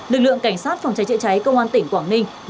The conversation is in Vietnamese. lực lượng cảnh sát phòng cháy chữa cháy công an tỉnh quảng ninh